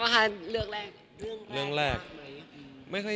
เป็นไงบ้างคะเรื่องแรกเรื่องแรกมากไหม